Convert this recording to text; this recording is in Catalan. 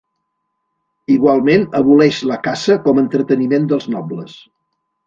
Igualment aboleix la caça com entreteniment dels nobles.